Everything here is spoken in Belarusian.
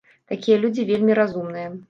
Такія людзі вельмі разумныя.